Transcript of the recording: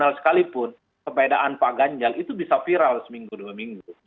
padahal sekalipun sepedaan pak ganjar itu bisa viral seminggu dua minggu